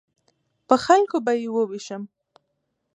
په خلکو به یې ووېشم.